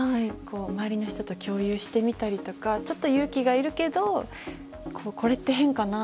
周りの人と共有してみたりとかちょっと勇気がいるけどこれって変かな？